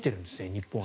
日本は。